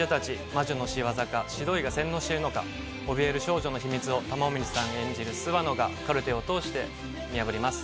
魔女の仕業か、洗脳してるのか、おびえる少女の秘密を玉森さん演じる諏訪野がカルテを通して見破ります。